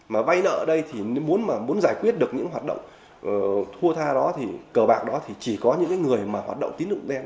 mà vay nợ ở đây thì muốn giải quyết được những hoạt động thua tha đó thì cờ bạc đó thì chỉ có những người hoạt động tín lượng đen